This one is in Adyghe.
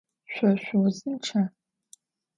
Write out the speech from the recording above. Şso şsuuzınçça?